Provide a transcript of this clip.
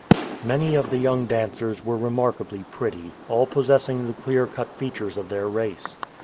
Many of the young dancers were remarkably pretty, all possessing the clear cut features of their race.